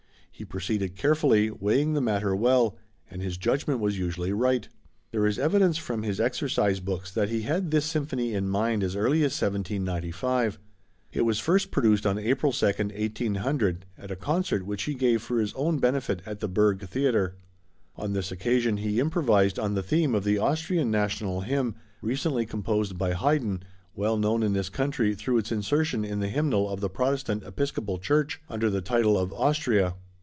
He proceeded carefully, weighing the matter well, and his judgment was usually right. There is evidence from his exercise books that he had this Symphony in mind as early as 1795. It was first produced on April 2, 1800, at a concert which he gave for his own benefit at the Burg theatre. On this occasion he improvised on the theme of the Austrian National Hymn, recently composed by Haydn, well known in this country through its insertion in the Hymnal of the Protestant Episcopal Church, under the title of Austria.